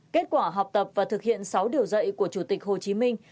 kết quả học tập và thực hiện sáu điều dạy của chủ tịch hồ chí minh